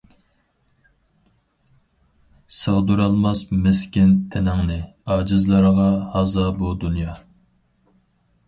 سىغدۇرالماس مىسكىن تىنىڭنى، ئاجىزلارغا ھازا بۇ دۇنيا.